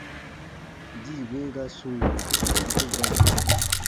Dii be ga sum, a ku baba.